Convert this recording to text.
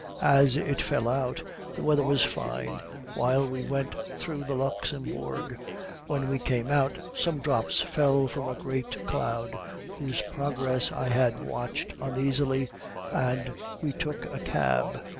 "As it fell out, the weather was fine while we went through the Luxembourg; when we came out, some drops fell from a great cloud, whose progress I had watched uneasily, and we took a cab.